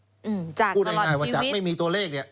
อืมจากตลอดชีวิตพูดง่ายว่าจากไม่มีตัวเลขเนี่ย